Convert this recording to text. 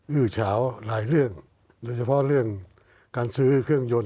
ื้อเฉาหลายเรื่องโดยเฉพาะเรื่องการซื้อเครื่องยนต์